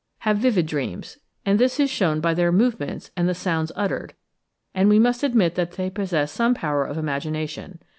have vivid dreams, and this is shewn by their movements and the sounds uttered, we must admit that they possess some power of imagination.